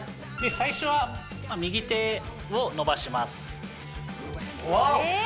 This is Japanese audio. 最初は右手を伸ばしますわおっえ？